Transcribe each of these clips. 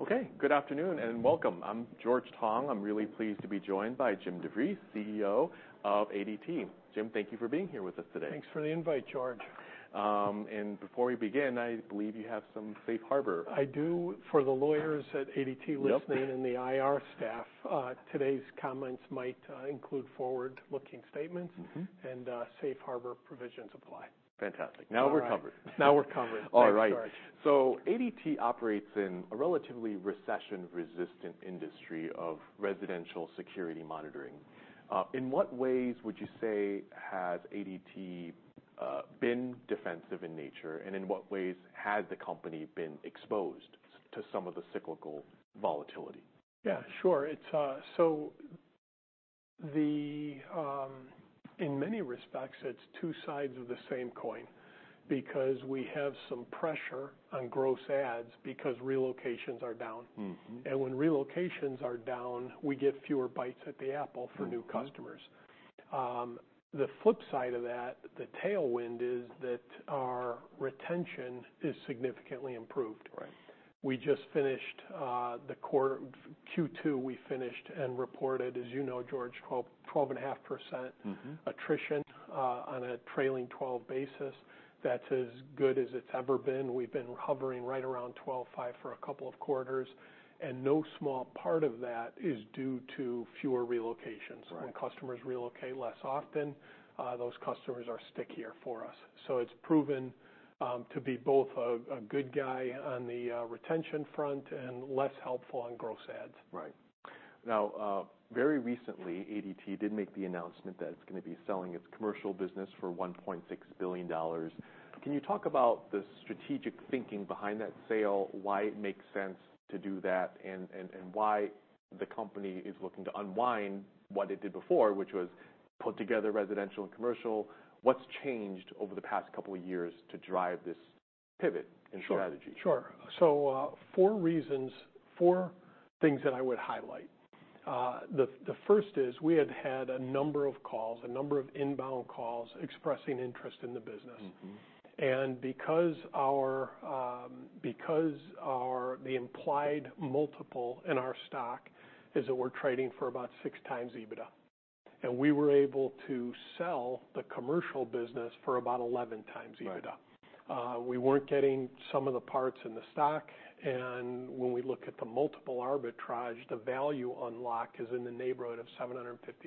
Okay, good afternoon and welcome. I'm George Tong. I'm really pleased to be joined by Jim DeVries, CEO of ADT. Jim, thank you for being here with us today. Thanks for the invite, George. Before we begin, I believe you have some Safe Harbor. I do. For the lawyers at ADT listening- Yep And the IR staff, today's comments might include forward-looking statements. Mm-hmm. Safe Harbor provisions apply. Fantastic. All right. Now we're covered. Now we're covered. All right. Thanks, George. ADT operates in a relatively recession-resistant industry of residential security monitoring. In what ways would you say has ADT been defensive in nature, and in what ways has the company been exposed to some of the cyclical volatility? Yeah, sure. It's... In many respects, it's two sides of the same coin because we have some pressure on gross adds because relocations are down. Mm-hmm. When relocations are down, we get fewer bites at the apple for new customers. Mm-hmm. The flip side of that, the tailwind, is that our retention is significantly improved. Right. We just finished the quarter, Q2. We finished and reported, as you know, George, 12%, 12.5%. Mm-hmm... attrition on a trailing 12 basis. That's as good as it's ever been. We've been hovering right around 12.5 for a couple of quarters, and no small part of that is due to fewer relocations. Right. When customers relocate less often, those customers are stickier for us. So it's proven to be both a good guy on the retention front and less helpful on gross adds. Right. Now, very recently, ADT did make the announcement that it's going to be selling its commercial business for $1.6 billion. Can you talk about the strategic thinking behind that sale, why it makes sense to do that, and, and, and why the company is looking to unwind what it did before, which was put together residential and commercial? What's changed over the past couple of years to drive this pivot in strategy? Sure, sure. So, four reasons, four things that I would highlight. The first is we had had a number of calls, a number of inbound calls expressing interest in the business. Mm-hmm. The implied multiple in our stock is that we're trading for about 6x EBITDA, and we were able to sell the commercial business for about 11x EBITDA. Right. We weren't getting sum of the parts in the stock, and when we look at the multiple arbitrage, the value unlock is in the neighborhood of $750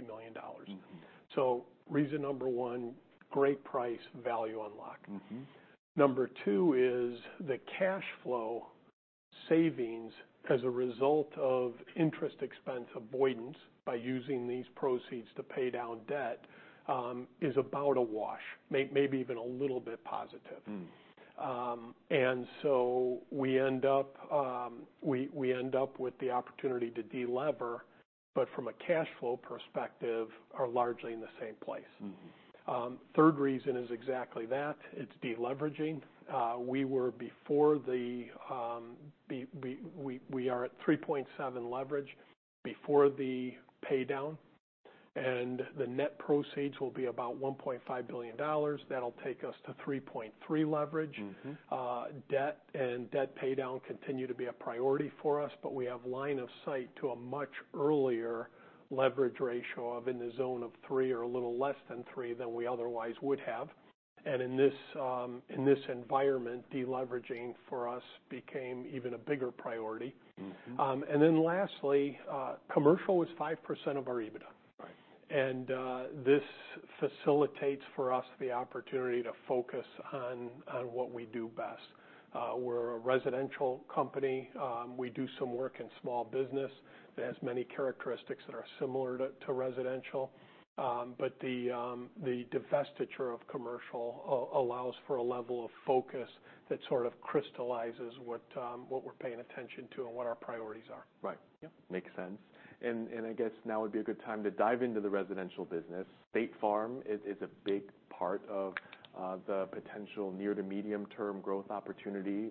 million. Mm-hmm. Reason number one, great price, value unlock. Mm-hmm. Number two is the cash flow savings as a result of interest expense avoidance by using these proceeds to pay down debt, is about a wash, maybe even a little bit positive. Mm. And so we end up with the opportunity to delever, but from a cash flow perspective, are largely in the same place. Mm-hmm. Third reason is exactly that. It's deleveraging. We are at 3.7x leverage before the pay down, and the net proceeds will be about $1.5 billion. That'll take us to 3.3x leverage. Mm-hmm. Debt and debt pay down continue to be a priority for us, but we have line of sight to a much earlier leverage ratio of in the zone of 3x or a little less than 3x than we otherwise would have. And in this environment, deleveraging for us became even a bigger priority. Mm-hmm. And then lastly, commercial was 5% of our EBITDA. Right. This facilitates for us the opportunity to focus on, on what we do best. We're a residential company. We do some work in small business that has many characteristics that are similar to, to residential. But the, the divestiture of commercial allows for a level of focus that sort of crystallizes what, what we're paying attention to and what our priorities are. Right. Yeah. Makes sense. And I guess now would be a good time to dive into the residential business. State Farm is a big part of the potential near to medium term growth opportunity.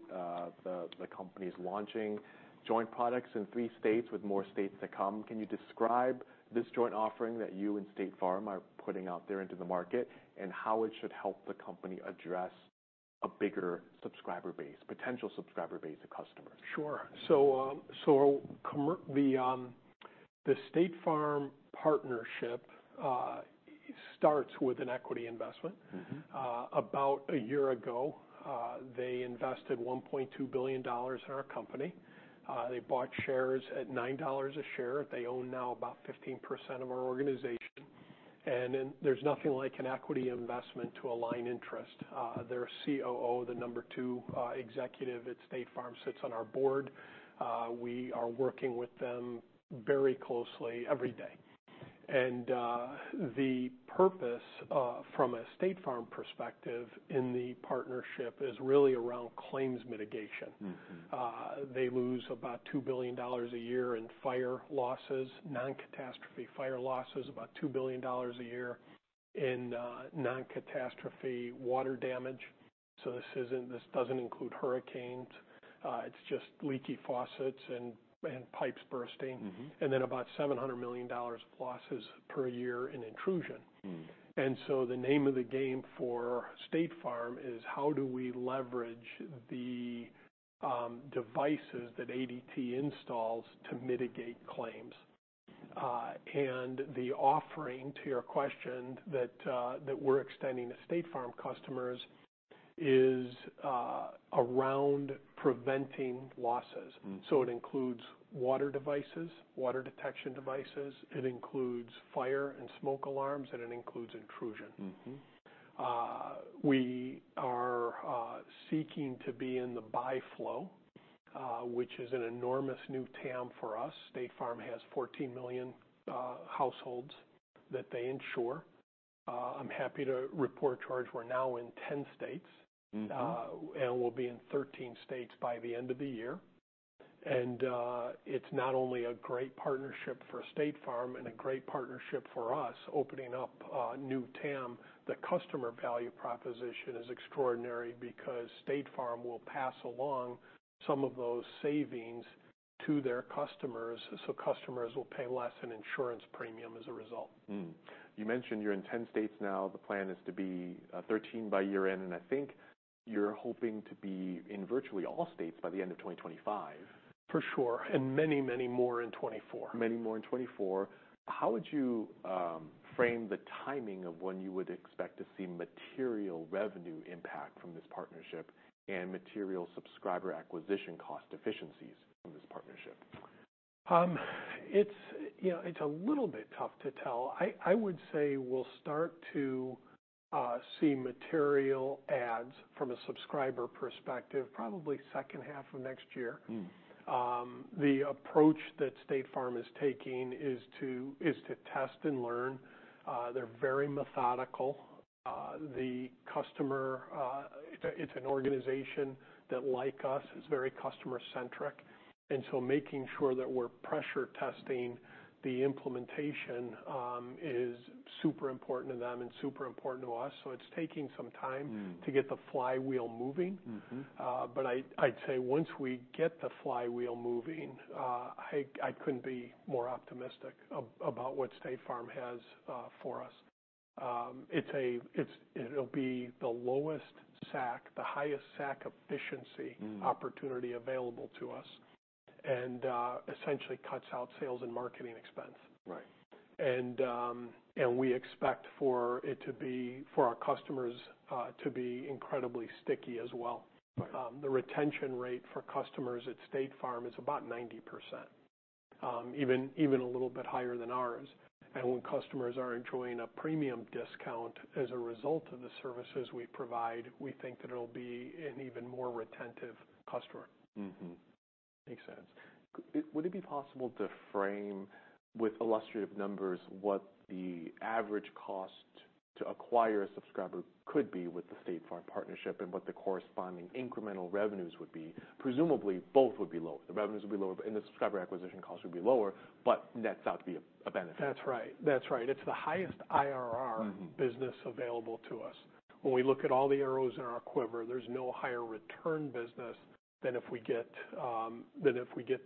The company's launching joint products in three states with more states to come. Can you describe this joint offering that you and State Farm are putting out there into the market, and how it should help the company address a bigger subscriber base, potential subscriber base of customers? Sure. So, the State Farm partnership starts with an equity investment. Mm-hmm. About a year ago, they invested $1.2 billion in our company. They bought shares at $9 a share. They own now about 15% of our organization, and then there's nothing like an equity investment to align interest. Their COO, the number two, executive at State Farm, sits on our board. We are working with them very closely every day. The purpose, from a State Farm perspective in the partnership is really around claims mitigation. Mm-hmm. They lose about $2 billion a year in fire losses, non-catastrophe fire losses, about $2 billion a year in, non-catastrophe water damage. So this isn't. This doesn't include hurricanes. It's just leaky faucets and, and pipes bursting. Mm-hmm. And then about $700 million losses per year in intrusion. Mm. And so the name of the game for State Farm is how do we leverage the devices that ADT installs to mitigate claims? And the offering, to your question, that we're extending to State Farm customers is around preventing losses. Mm-hmm. So it includes water devices, water detection devices, it includes fire and smoke alarms, and it includes intrusion. Mm-hmm. We are seeking to be in the buy flow, which is an enormous new TAM for us. State Farm has 14 million households that they insure. I'm happy to report, George, we're now in 10 states. Mm-hmm. We'll be in 13 states by the end of the year. It's not only a great partnership for State Farm and a great partnership for us, opening up a new TAM, the customer value proposition is extraordinary because State Farm will pass along some of those savings to their customers, so customers will pay less in insurance premium as a result. Mm-hmm. You mentioned you're in 10 states now. The plan is to be 13 by year-end, and I think you're hoping to be in virtually all states by the end of 2025. For sure, and many, many more in 2024. Many more in 2024. How would you frame the timing of when you would expect to see material revenue impact from this partnership and material subscriber acquisition cost efficiencies from this partnership? It's, you know, it's a little bit tough to tell. I would say we'll start to see material adds from a subscriber perspective, probably second half of next year. Mm-hmm. The approach that State Farm is taking is to test and learn. They're very methodical. It's an organization that, like us, is very customer centric, and so making sure that we're pressure testing the implementation is super important to them and super important to us. So it's taking some time- Mm. to get the flywheel moving. Mm-hmm. But I'd say once we get the flywheel moving, I couldn't be more optimistic about what State Farm has for us. It's, it'll be the lowest SAC, the highest SAC efficiency- Mm. -opportunity available to us, and essentially cuts out sales and marketing expense. Right. We expect for it to be, for our customers, to be incredibly sticky as well. Right. The retention rate for customers at State Farm is about 90%, even a little bit higher than ours. And when customers are enjoying a premium discount as a result of the services we provide, we think that it'll be an even more retentive customer. Mm-hmm. Makes sense. Would it be possible to frame, with illustrative numbers, what the average cost to acquire a subscriber could be with the State Farm partnership and what the corresponding incremental revenues would be? Presumably, both would be lower. The revenues would be lower, and the subscriber acquisition costs would be lower, but nets out to be a benefit. That's right. That's right. It's the highest IRR- Mm-hmm -business available to us. When we look at all the arrows in our quiver, there's no higher return business than if we get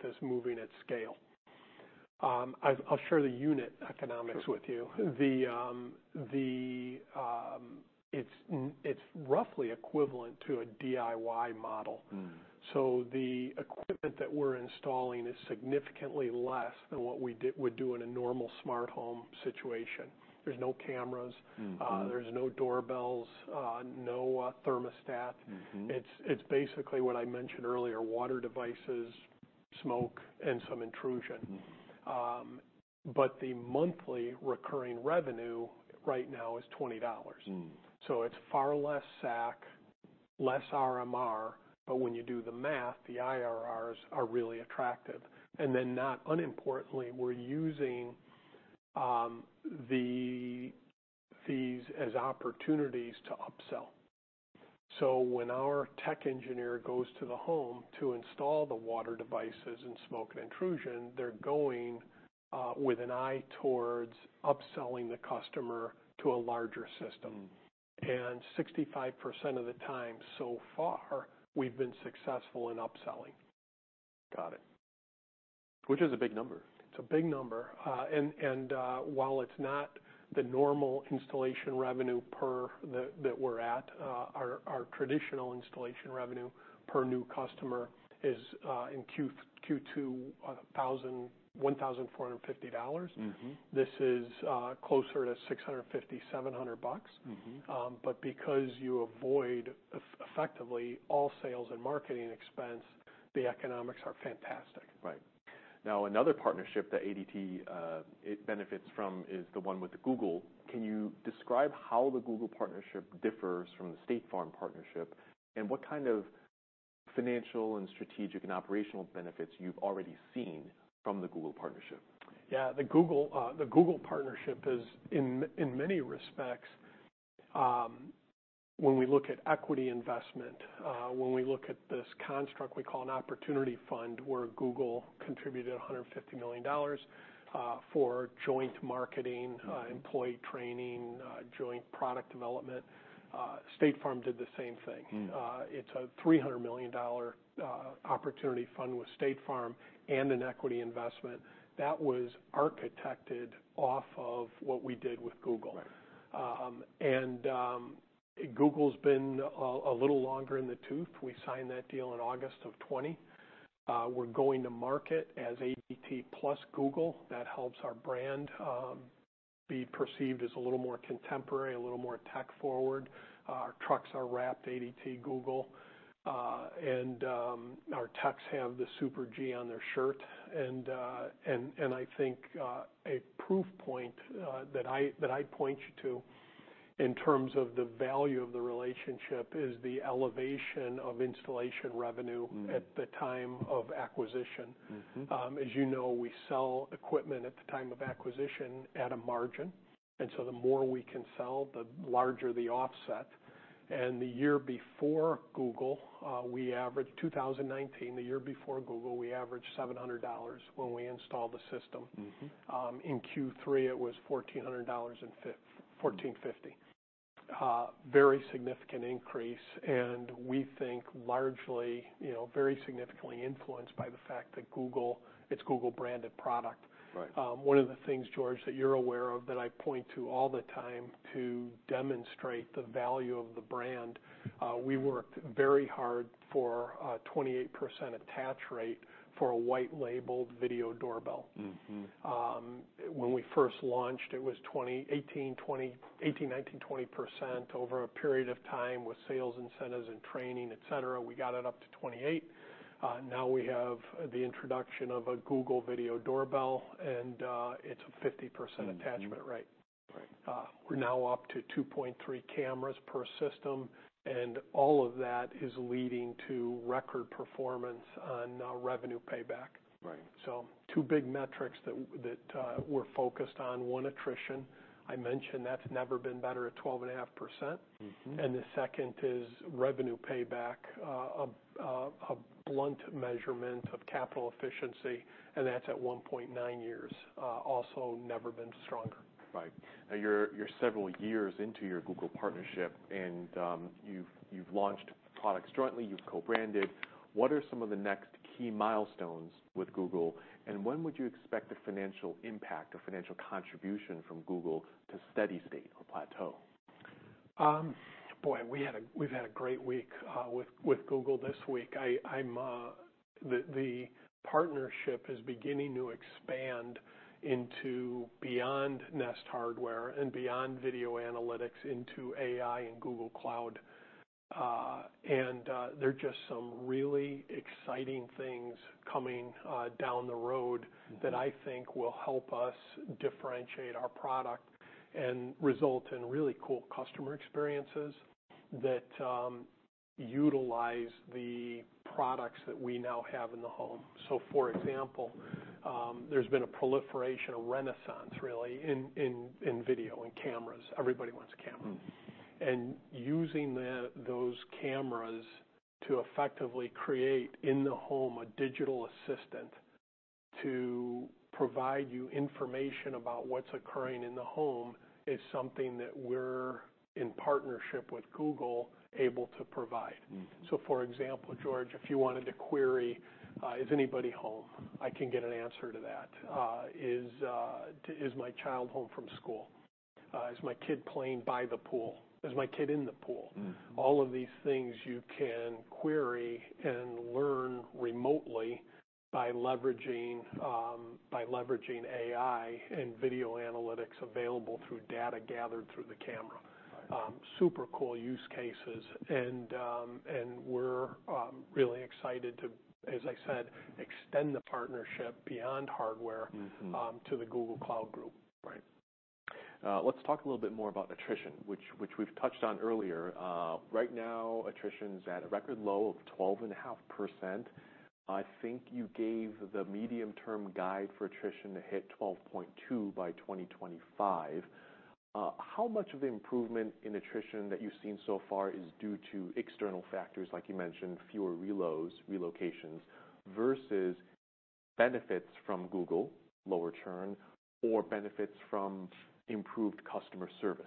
this moving at scale. I'll share the unit economics with you. Sure. It's roughly equivalent to a DIY model. Mm. So the equipment that we're installing is significantly less than what we did—would do in a normal smart home situation. There's no cameras— Mm-hmm. There's no doorbells, no thermostat. Mm-hmm. It's basically what I mentioned earlier, water devices, smoke, and some intrusion. Mm-hmm. The monthly recurring revenue right now is $20. Mm. So it's far less SAC, less RMR, but when you do the math, the IRRs are really attractive. And then not unimportantly, we're using the fees as opportunities to upsell. So when our tech engineer goes to the home to install the water devices and smoke and intrusion, they're going with an eye towards upselling the customer to a larger system. 65% of the time, so far, we've been successful in upselling. Got it, which is a big number. It's a big number. And while it's not the normal installation revenue per that we're at, our traditional installation revenue per new customer is in Q2 $1,450. Mm-hmm. This is closer to $650-$700. Mm-hmm. But because you avoid effectively all sales and marketing expense, the economics are fantastic. Right. Now, another partnership that ADT, it benefits from is the one with Google. Can you describe how the Google partnership differs from the State Farm partnership, and what kind of financial and strategic and operational benefits you've already seen from the Google partnership? Yeah, the Google, the Google partnership is, in, in many respects, when we look at equity investment, when we look at this construct we call an opportunity fund, where Google contributed $150 million, for joint marketing, employee training, joint product development, State Farm did the same thing. Mm. It's a $300 million opportunity fund with State Farm and an equity investment that was architected off of what we did with Google. Right. Google's been a little longer in the tooth. We signed that deal in August of 2020. We're going to market as ADT plus Google. That helps our brand be perceived as a little more contemporary, a little more tech forward. Our trucks are wrapped ADT Google, and our techs have the Super G on their shirt. And I think a proof point that I'd point you to in terms of the value of the relationship is the elevation of installation revenue at the time of acquisition. Mm-hmm. As you know, we sell equipment at the time of acquisition at a margin, and so the more we can sell, the larger the offset. And the year before Google, we averaged 2019, the year before Google, we averaged $700 when we installed the system. Mm-hmm. In Q3, it was $1,400 and $1,450. Very significant increase, and we think largely, you know, very significantly influenced by the fact that Google, it's Google branded product. Right. One of the things, George, that you're aware of, that I point to all the time to demonstrate the value of the brand, we worked very hard for a 28% attach rate for a white labeled video doorbell. Mm-hmm. When we first launched, it was 2018, 2019, 20% over a period of time with sales incentives and training, et cetera, we got it up to 28. Now we have the introduction of a Google video doorbell, and it's a 50% attachment rate. Right. We're now up to 2.3 cameras per system, and all of that is leading to record performance on revenue payback. Right. So two big metrics that we're focused on. One, attrition. I mentioned that's never been better at 12.5%. Mm-hmm. The second is revenue payback, a blunt measurement of capital efficiency, and that's at 1.9 years, also never been stronger. Right. Now, you're several years into your Google partnership, and, you've launched products jointly, you've co-branded. What are some of the next key milestones with Google, and when would you expect the financial impact or financial contribution from Google to steady state or plateau? Boy, we've had a great week with Google this week. I'm. The partnership is beginning to expand into beyond Nest hardware and beyond video analytics into AI and Google Cloud. And there are just some really exciting things coming down the road- Mm-hmm... that I think will help us differentiate our product and result in really cool customer experiences that utilize the products that we now have in the home. So, for example, there's been a proliferation, a renaissance really, in video cameras. Everybody wants a camera. Mm-hmm. Using those cameras to effectively create in the home a digital assistant to provide you information about what's occurring in the home is something that we're, in partnership with Google, able to provide. Mm-hmm. So, for example, George, if you wanted to query, "Is anybody home?" I can get an answer to that. "Is, is my child home from school? Is my kid playing by the pool? Is my kid in the pool? Mm-hmm. All of these things you can query and learn remotely by leveraging AI and video analytics available through data gathered through the camera. Right. Super cool use cases, and we're really excited to, as I said, extend the partnership beyond hardware. Mm-hmm... to the Google Cloud group. Right. Let's talk a little bit more about attrition, which we've touched on earlier. Right now, attrition is at a record low of 12.5%. I think you gave the medium-term guide for attrition to hit 12.2 by 2025. How much of the improvement in attrition that you've seen so far is due to external factors, like you mentioned, fewer reloads, relocations, versus benefits from Google, lower churn, or benefits from improved customer service?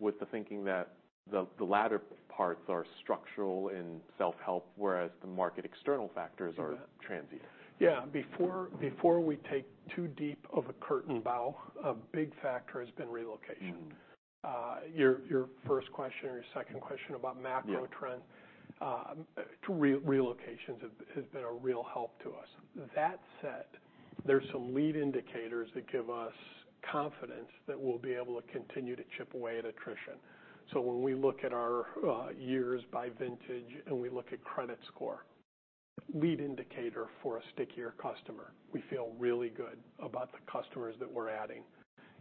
With the thinking that the latter parts are structural and self-help, whereas the market external factors are transient. Yeah. Before we take too deep of a curtain bow, a big factor has been relocation. Mm-hmm. Your first question or your second question about macro trends- Yeah... relocations has been a real help to us. That said, there's some lead indicators that give us confidence that we'll be able to continue to chip away at attrition. So when we look at our years by vintage, and we look at credit score, lead indicator for a stickier customer, we feel really good about the customers that we're adding.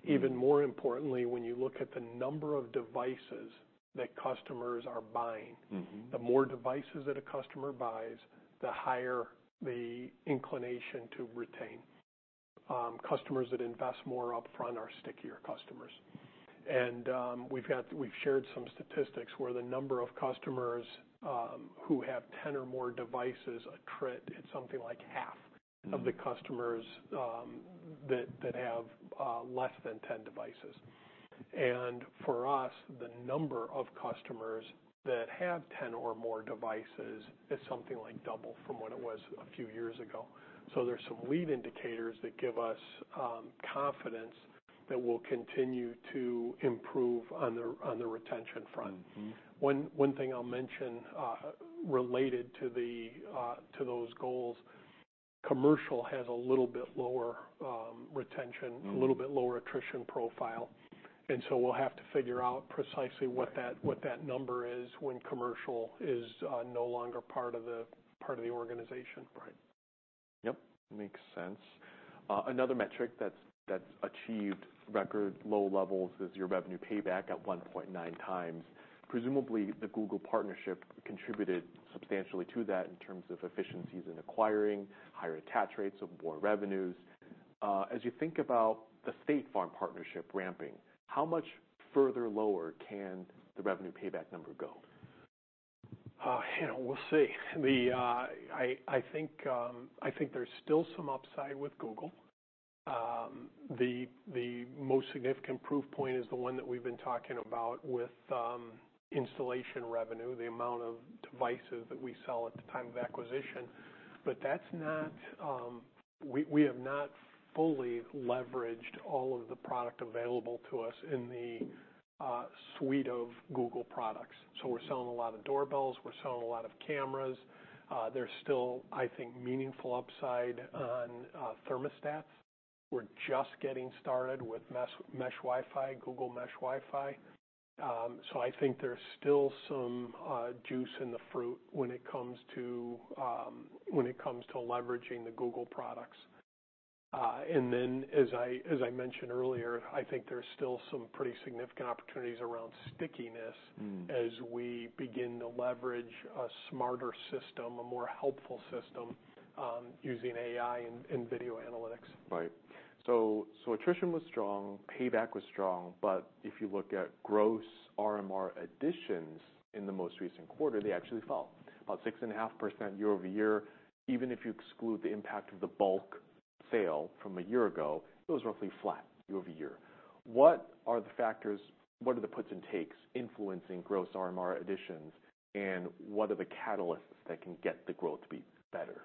Even more importantly, when you look at the number of devices that customers are buying. Mm-hmm The more devices that a customer buys, the higher the inclination to retain. Customers that invest more upfront are stickier customers. And, we've shared some statistics where the number of customers who have 10 or more devices attrit, it's something like half- Mm-hmm... of the customers that have less than 10 devices. And for us, the number of customers that have 10 or more devices is something like double from what it was a few years ago. So there's some leading indicators that give us confidence that we'll continue to improve on the retention front. Mm-hmm. One thing I'll mention related to those goals, commercial has a little bit lower retention- Mm. a little bit lower attrition profile, and so we'll have to figure out precisely what that number is when commercial is no longer part of the organization. Right. Yep, makes sense. Another metric that's achieved record low levels is your revenue payback at 1.9x. Presumably, the Google partnership contributed substantially to that in terms of efficiencies in acquiring, higher attach rates of more revenues. As you think about the State Farm partnership ramping, how much further lower can the revenue payback number go? You know, we'll see. I think there's still some upside with Google. The most significant proof point is the one that we've been talking about with installation revenue, the amount of devices that we sell at the time of acquisition. But that's not... We have not fully leveraged all of the product available to us in the suite of Google products. So we're selling a lot of doorbells. We're selling a lot of cameras. There's still, I think, meaningful upside on thermostats. We're just getting started with mesh Wi-Fi, Google mesh Wi-Fi. So I think there's still some juice in the fruit when it comes to leveraging the Google products. And then, as I mentioned earlier, I think there's still some pretty significant opportunities around stickiness- Mm. As we begin to leverage a smarter system, a more helpful system, using AI and video analytics. Right. So, so attrition was strong, payback was strong, but if you look at gross RMR additions in the most recent quarter, they actually fell about 6.5% year-over-year. Even if you exclude the impact of the bulk sale from a year ago, it was roughly flat year-over-year. What are the factors, what are the puts and takes influencing gross RMR additions, and what are the catalysts that can get the growth to be better?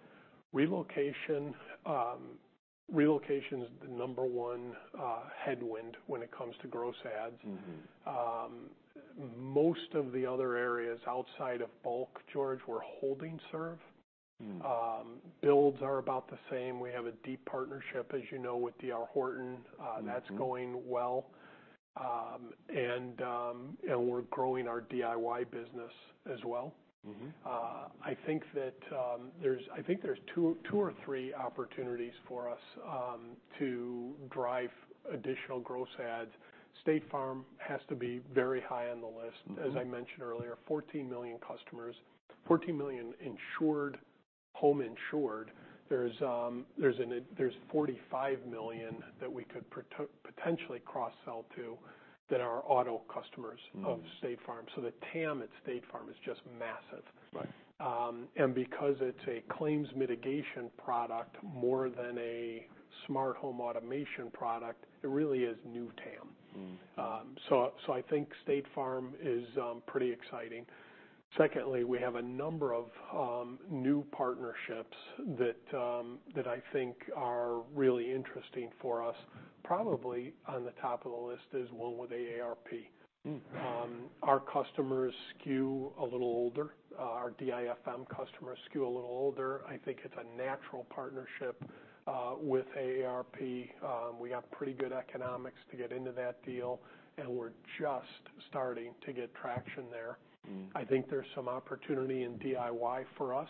Relocation is the number one headwind when it comes to gross adds. Mm-hmm. Most of the other areas outside of bulk, George, we're holding serve. Mm. Builds are about the same. We have a deep partnership, as you know, with D.R. Horton. Mm-hmm. That's going well. We're growing our DIY business as well. Mm-hmm. I think that, I think there's two, two or three opportunities for us to drive additional gross adds. State Farm has to be very high on the list. Mm-hmm. As I mentioned earlier, 14 million customers, 14 million insured, home insured. There's 45 million that we could potentially cross-sell to that are auto customers- Mm. of State Farm. So the TAM at State Farm is just massive. Right. Because it's a claims mitigation product more than a smart home automation product, it really is new TAM. Mm. So, I think State Farm is pretty exciting. Secondly, we have a number of new partnerships that I think are really interesting for us. Probably on the top of the list is one with AARP. Mm. Our customers skew a little older. Our DIFM customers skew a little older. I think it's a natural partnership with AARP. We have pretty good economics to get into that deal, and we're just starting to get traction there. Mm. I think there's some opportunity in DIY for us.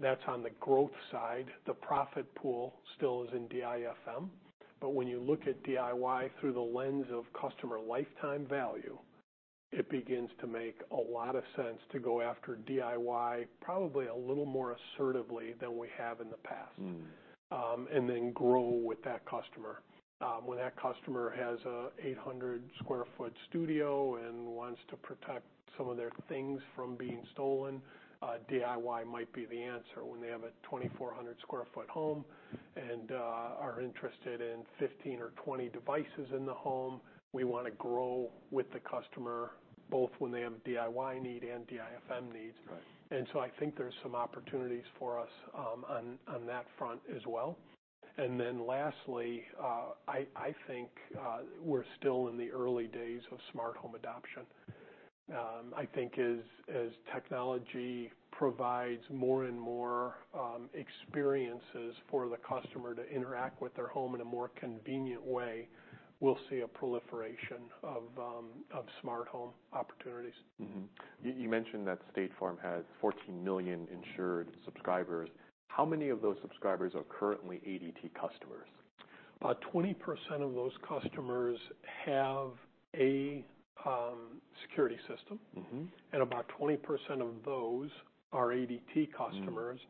That's on the growth side. The profit pool still is in DIFM, but when you look at DIY through the lens of customer lifetime value, it begins to make a lot of sense to go after DIY, probably a little more assertively than we have in the past. Mm. and then grow with that customer. When that customer has a 800 sq ft studio and wants to protect some of their things from being stolen, DIY might be the answer. When they have a 2,400 sq ft home and are interested in 15 or 20 devices in the home, we want to grow with the customer, both when they have DIY need and DIFM needs. Right. I think there's some opportunities for us on that front as well. Then lastly, I think we're still in the early days of smart home adoption. I think as technology provides more and more experiences for the customer to interact with their home in a more convenient way, we'll see a proliferation of smart home opportunities. Mm-hmm. You mentioned that State Farm has 14 million insured subscribers. How many of those subscribers are currently ADT customers? About 20% of those customers have a security system. Mm-hmm. About 20% of those are ADT customers. Mm.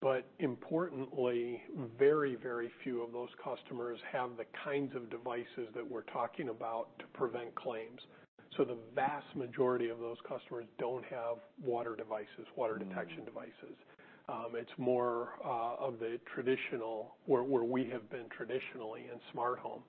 But importantly, very, very few of those customers have the kinds of devices that we're talking about to prevent claims. So the vast majority of those customers don't have water devices, water detection devices. Mm. It's more of the traditional, where we have been traditionally in smart home.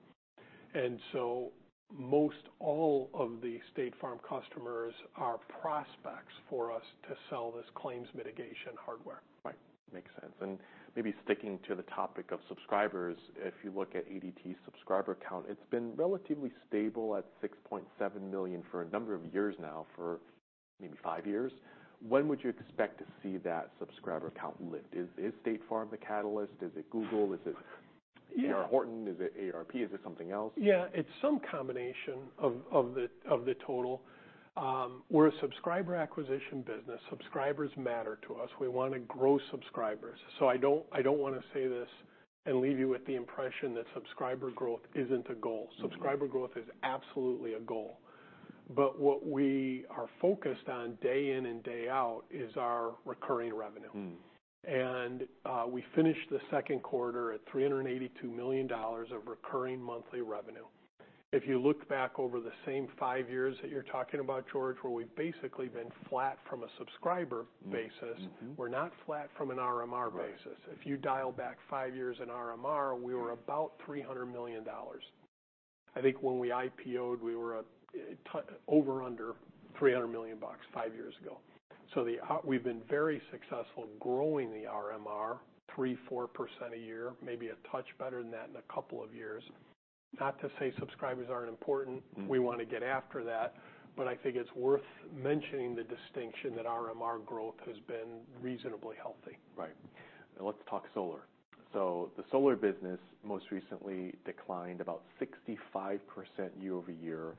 And so most all of the State Farm customers are prospects for us to sell this claims mitigation hardware. Right. Makes sense. And maybe sticking to the topic of subscribers, if you look at ADT's subscriber count, it's been relatively stable at 6.7 million for a number of years now, for maybe five years. When would you expect to see that subscriber count lift? Is, is State Farm the catalyst? Is it Google? Is it- Yeah. D.R. Horton? Is it AARP? Is it something else? Yeah, it's some combination of the total. We're a subscriber acquisition business. Subscribers matter to us. We want to grow subscribers. So I don't wanna say this and leave you with the impression that subscriber growth isn't a goal. Subscriber growth is absolutely a goal. But what we are focused on day in and day out is our recurring revenue. Mm. We finished the second quarter at $382 million of recurring monthly revenue. If you look back over the same five years that you're talking about, George, where we've basically been flat from a subscriber basis- Mm-hmm. We're not flat from an RMR basis. Right. If you dial back five years in RMR, we were about $300 million. I think when we IPO'd, we were at over under $300 million five years ago. So we've been very successful growing the RMR 3%-4% a year, maybe a touch better than that in a couple of years. Not to say subscribers aren't important. Mm. We want to get after that, but I think it's worth mentioning the distinction that RMR growth has been reasonably healthy. Right. Now let's talk solar. So the solar business most recently declined about 65% year-over-year.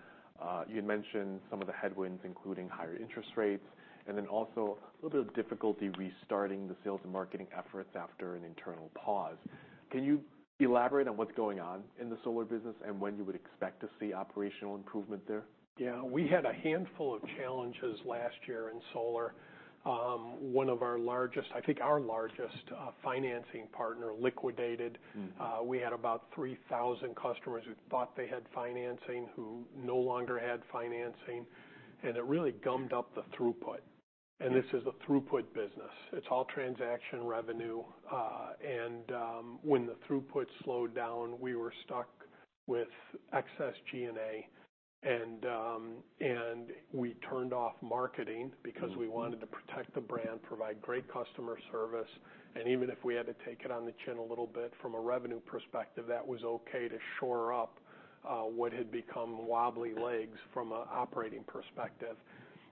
You had mentioned some of the headwinds, including higher interest rates, and then also a little bit of difficulty restarting the sales and marketing efforts after an internal pause. Can you elaborate on what's going on in the solar business, and when you would expect to see operational improvement there? Yeah, we had a handful of challenges last year in solar. One of our largest, I think our largest, financing partner liquidated. Mm. We had about 3,000 customers who thought they had financing, who no longer had financing, and it really gummed up the throughput. This is a throughput business. It's all transaction revenue. When the throughput slowed down, we were stuck with excess G&A. We turned off marketing- Mm-hmm. because we wanted to protect the brand, provide great customer service. And even if we had to take it on the chin a little bit from a revenue perspective, that was okay to shore up, what had become wobbly legs from an operating perspective.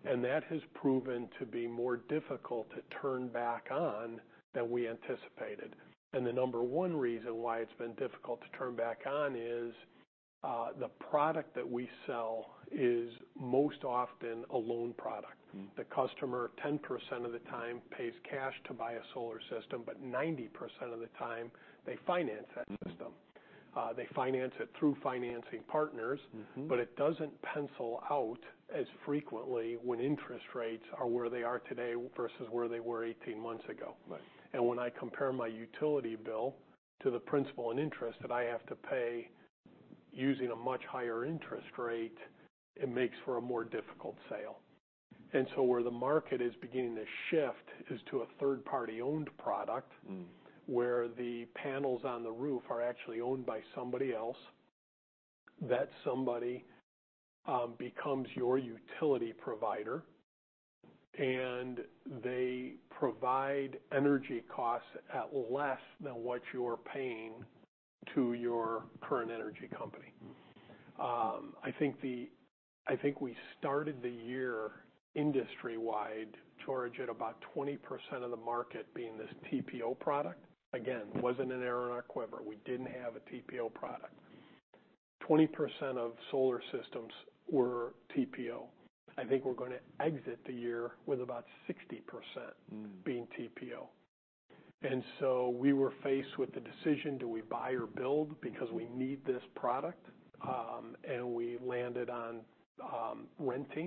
And that has proven to be more difficult to turn back on than we anticipated. And the number one reason why it's been difficult to turn back on is, the product that we sell is most often a loan product. Mm. The customer, 10% of the time, pays cash to buy a solar system, but 90% of the time, they finance that system. Mm-hmm. They finance it through financing partners. Mm-hmm. But it doesn't pencil out as frequently when interest rates are where they are today versus where they were 18 months ago. Right. When I compare my utility bill to the principal and interest that I have to pay using a much higher interest rate, it makes for a more difficult sale. So where the market is beginning to shift is to a third-party-owned product- Mm. -where the panels on the roof are actually owned by somebody else. That somebody becomes your utility provider, and they provide energy costs at less than what you're paying to your current energy company. Mm. I think we started the year industry-wide, George, at about 20% of the market being this TPO product. Again, wasn't an arrow in our quiver. We didn't have a TPO product. 20% of solar systems were TPO. I think we're gonna exit the year with about 60%- Mm. being TPO. And so we were faced with the decision, do we buy or build? Because we need this product. We landed on rent and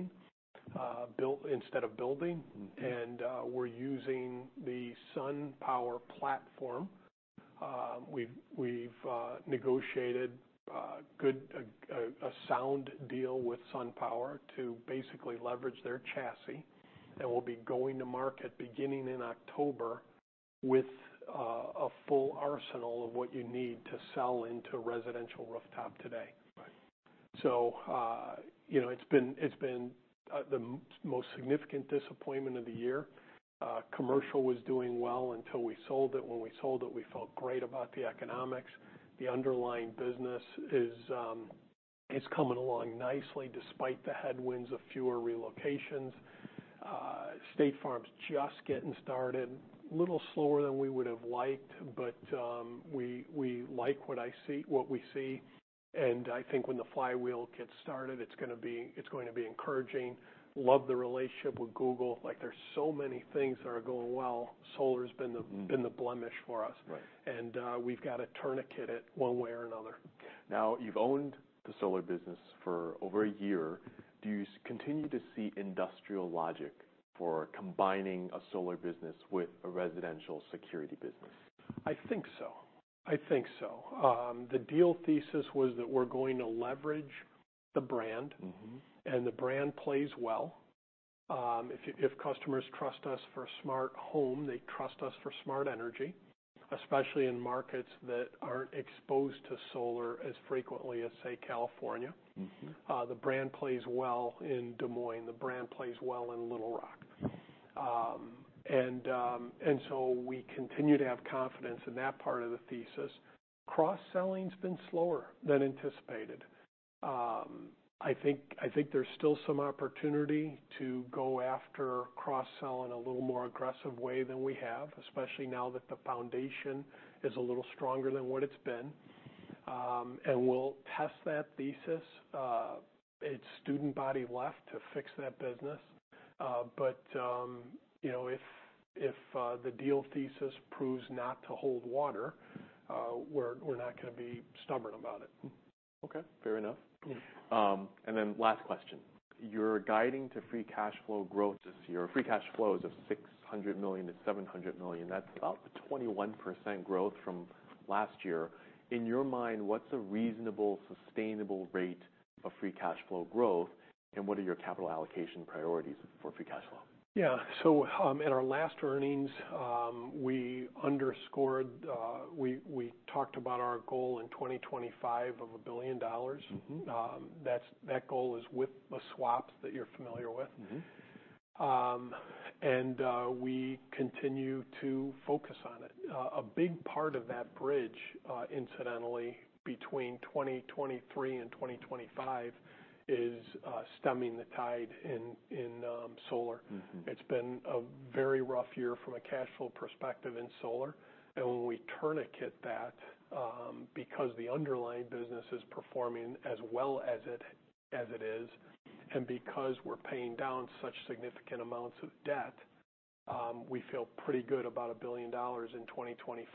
build instead of building. Mm-hmm. We're using the SunPower platform. We've negotiated a sound deal with SunPower to basically leverage their chassis. We'll be going to market beginning in October with a full arsenal of what you need to sell into residential rooftop today. Right. So, you know, it's been the most significant disappointment of the year. Commercial was doing well until we sold it. When we sold it, we felt great about the economics. The underlying business is coming along nicely, despite the headwinds of fewer relocations. State Farm's just getting started. A little slower than we would have liked, but we like what we see, and I think when the flywheel gets started, it's going to be encouraging. Love the relationship with Google. Like, there's so many things that are going well. Solar's been the- Mm... been the blemish for us. Right. We've got to tourniquet it one way or another. Now, you've owned the solar business for over a year. Do you continue to see industrial logic for combining a solar business with a residential security business? I think so. I think so. The deal thesis was that we're going to leverage the brand- Mm-hmm. And the brand plays well. If customers trust us for a smart home, they trust us for smart energy, especially in markets that aren't exposed to solar as frequently as, say, California. Mm-hmm. The brand plays well in Des Moines. The brand plays well in Little Rock. And so we continue to have confidence in that part of the thesis. Cross-selling's been slower than anticipated. I think there's still some opportunity to go after cross-sell in a little more aggressive way than we have, especially now that the foundation is a little stronger than what it's been. And we'll test that thesis. It's still a lot left to fix that business. But you know, if the deal thesis proves not to hold water, we're not gonna be stubborn about it. Okay, fair enough. Yeah. And then last question: You're guiding to free cash flow growth this year, or free cash flows of $600 million-$700 million. That's about 21% growth from last year. In your mind, what's a reasonable, sustainable rate of free cash flow growth, and what are your capital allocation priorities for free cash flow? Yeah. So, in our last earnings, we underscored, we talked about our goal in 2025 of $1 billion. Mm-hmm. That goal is with the swaps that you're familiar with. Mm-hmm. We continue to focus on it. A big part of that bridge, incidentally, between 2023 and 2025, is stemming the tide in solar. Mm-hmm. It's been a very rough year from a cash flow perspective in solar. And when we tourniquet that, because the underlying business is performing as well as it, as it is, and because we're paying down such significant amounts of debt, we feel pretty good about $1 billion in 2025.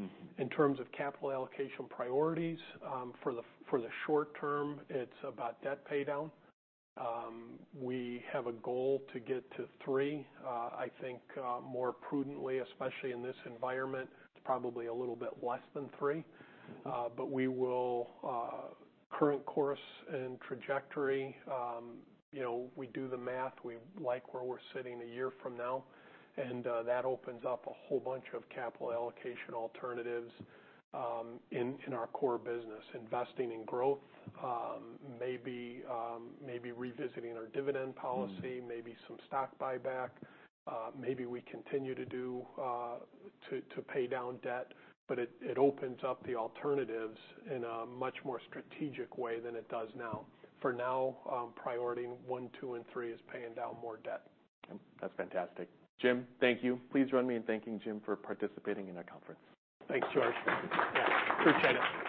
Mm-hmm. In terms of capital allocation priorities, for the short term, it's about debt paydown. We have a goal to get to 3x. I think, more prudently, especially in this environment, it's probably a little bit less than 3x. But we will, current course and trajectory, you know, we do the math. We like where we're sitting a year from now, and that opens up a whole bunch of capital allocation alternatives, in our core business. Investing in growth, maybe revisiting our dividend policy- Mm-hmm. Maybe some stock buyback, maybe we continue to pay down debt, but it opens up the alternatives in a much more strategic way than it does now. For now, priority one, two, and three is paying down more debt. That's fantastic. Jim, thank you. Please join me in thanking Jim for participating in our conference. Thanks, George. Yeah, appreciate it.